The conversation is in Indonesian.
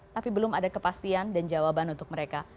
tapi belum ada kepastian dan jawaban untuk mereka